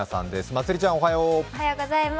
まつりちゃん、おはよう。